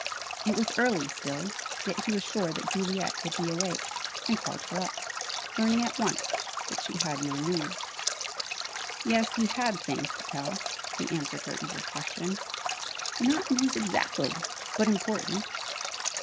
It was early still, yet he was sure that Juliet would be awake, and called her up, learning at once that she had no news. Yes, he had things to tell, he answered her eager question. "Not news exactly, but important."